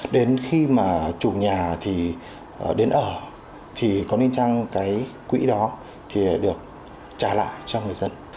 đến khi mà chủ nhà thì đến ở thì có nên chăng cái quỹ đó thì được trả lại cho người dân